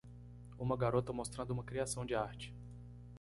Uma garota mostrando uma criação de arte.